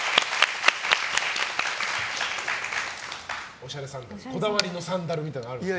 おしゃれサンダルこだわりのサンダルみたいなのあるんですか。